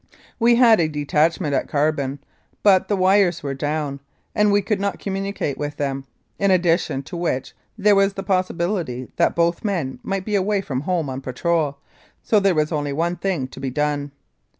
We had a detach ment at Carbon, but the wires were down, and we could not communicate with them in addition to which there was the possibility that both men might be away from home on patrol, so there was only one thing to be done.